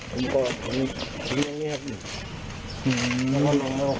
ตรงนี้ตรงนี้ครับ